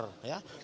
tidak melalui media